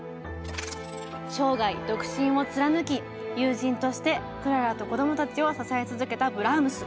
生涯独身を貫き友人としてクララとこどもたちを支え続けたブラームス。